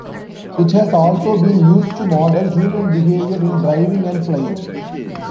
It has also been used to model human behavior in driving and flying.